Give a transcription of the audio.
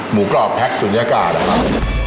กรอบแพ็คศูนยากาศนะครับ